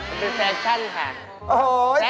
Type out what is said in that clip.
มันเป็นแฟชั่นค่ะ